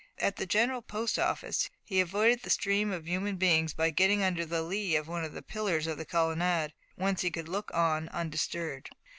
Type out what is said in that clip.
At the General Post Office he avoided the stream of human beings by getting under the lee of one of the pillars of the colonnade, whence he could look on undisturbed.